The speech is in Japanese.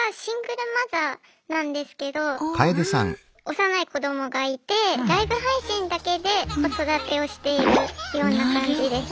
幼い子どもがいてライブ配信だけで子育てをしているような感じです。